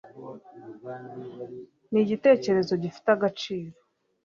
nigitekerezo gifite agaciro